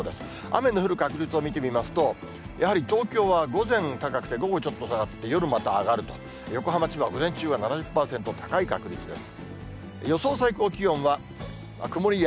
雨の降る確率を見てみますと、やはり東京は午前高くて、午後ちょっと下がって上がって、また夜下がると、横浜、千葉、午前中は７０％、高い確率です。